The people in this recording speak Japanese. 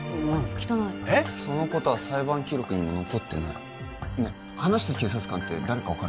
汚いそのことは裁判記録にも残ってない話した警察官って誰か分かる？